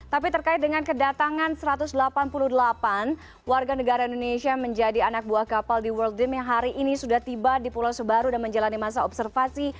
tapi terkait dengan kedatangan satu ratus delapan puluh delapan warga negara indonesia menjadi anak buah kapal di world dream yang hari ini sudah tiba di pulau sebaru dan menjalani masa observasi